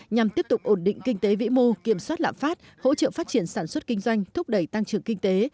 nhằm tiếp tục ổn định kinh tế vĩ mô kiểm soát lạm phát hỗ trợ phát triển sản xuất kinh doanh thúc đẩy tăng trưởng kinh tế